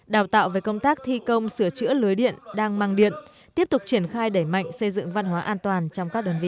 đào tạo về công tác thi công sửa chữa lưới điện đăng mang điện tiếp tục triển khai đẩy mạnh xây dựng văn hóa an toàn trong các đơn vị